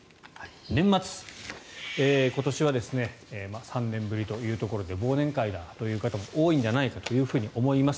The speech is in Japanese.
年末、今年は３年ぶりというところで忘年会だという方も多いんじゃないかと思います。